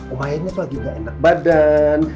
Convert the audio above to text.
omayanya tuh lagi gak enak badan